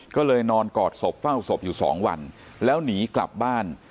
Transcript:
ก็เลยนอนกอดศพเฝ้าศพอยู่๒วันแล้วหนีกลับบ้าน